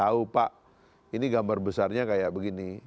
tahu pak ini gambar besarnya kayak begini